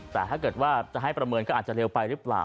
แต่ถ้าเกิดว่าจะให้ประเมินก็อาจจะเร็วไปหรือเปล่า